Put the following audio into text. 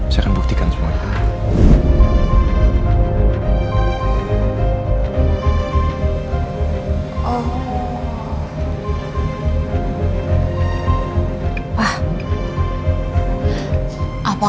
saya akan buktikan semuanya